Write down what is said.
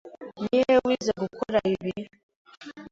Ni hehe wize gukora ibi?